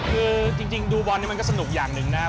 คือจริงดูบอลนี้มันก็สนุกอย่างหนึ่งนะครับ